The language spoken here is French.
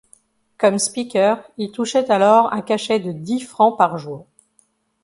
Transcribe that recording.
Comme speaker, il touchait alors un cachet de dix francs par jour.